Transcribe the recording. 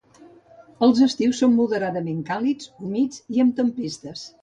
Els estius són moderadament càlids, humit i amb tempestes.